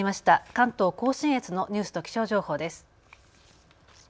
関東甲信越のニュースと気象情報です。